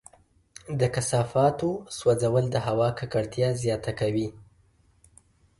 د کثافاتو سوځول د هوا ککړتیا زیاته کوي.